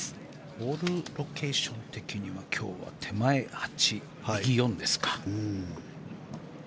ホールロケーション的には今日は手前８、右４ですか。